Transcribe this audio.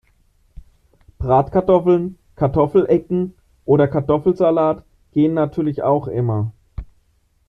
Bratkartoffeln, Kartoffelecken oder Kartoffelsalat gehen natürlich auch immer.